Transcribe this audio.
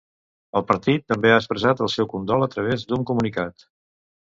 El partit també ha expressat el seu condol a través d'un comunicat.